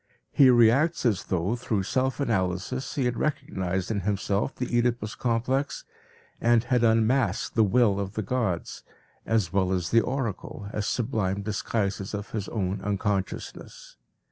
He reacts as though through self analysis he had recognized in himself the Oedipus complex, and had unmasked the will of the gods, as well as the oracle, as sublime disguises of his own unconsciousness.